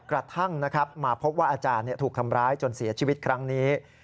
กระทั่งมาพบว่าอาจารย์ถูกทำร้ายจนเสียชีวิตครั้งนี้